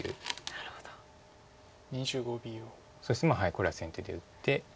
これは先手で打って。